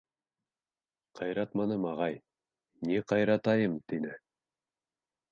— Ҡыйратманым, ағай, ни ҡыйратайым? — тине.